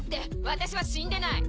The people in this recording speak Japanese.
私は死んでない。